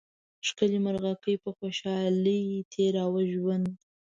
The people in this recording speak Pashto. ښکلې مرغکۍ په خوشحالۍ تېراوه ژوند